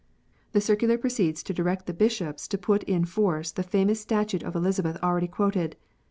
The circular proceeds to direct the Bishops to put in force the famous statute of Elizabeth already quoted.